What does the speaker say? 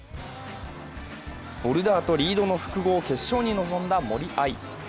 ボルダーとリードの複合決勝に臨んだ森秋彩。